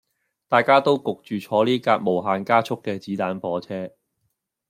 大家都焗住坐呢架無限加速嘅子彈火車